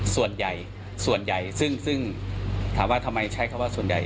ส่วนใหญ่ส่วนใหญ่ซึ่งถามว่าทำไมใช้คำว่าส่วนใหญ่